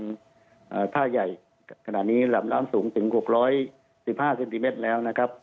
อ่าท่าใหญ่ขณะนี้หลำร้ำสูงถึงหกร้อยสิบห้าเซนติเมตรแล้วนะครับ